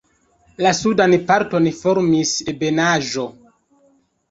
La sudan parton formis ebenaĵo.